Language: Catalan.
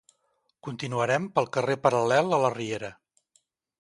Continuarem pel carrer paral·lel a la riera